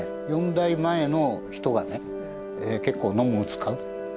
４代前の人がね結構飲む打つ買う。